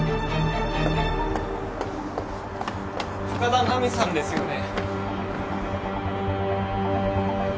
深田奈美さんですよね？